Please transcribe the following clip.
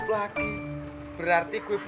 bagaimana dengan kamu